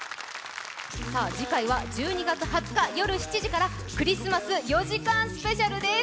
次回は１２月２０日夜７時から、クリスマス４時間スペシャルです。